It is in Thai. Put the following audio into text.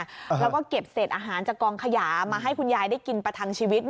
แล้วก็เก็บเศษอาหารจากกองขยามาให้คุณยายได้กินประทังชีวิต